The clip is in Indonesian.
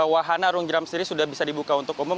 wahana arung jeram sendiri sudah bisa dibuka untuk umum